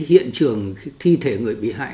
hiện trường thi thể người bị hại